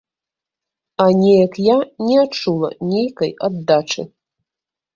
А неяк я не адчула нейкай аддачы.